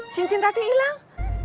cincin tadi hilang